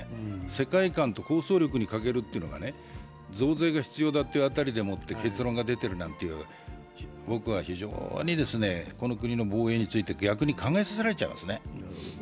世界観と構想力に欠けるというのは、増税が必要だという結論が出ているという、僕は非常にこの国の防衛について逆に考えさせられちゃいますね。